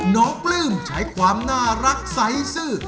น้องปลื้มใช้ความน่ารักไสซึง